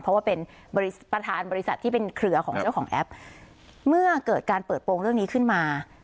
เพราะว่าเป็นประธานบริษัทที่เป็นเครือของเจ้าของแอปเมื่อเกิดการเปิดโปรงเรื่องนี้ขึ้นมา